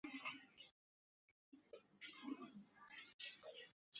عما تتحدثون ؟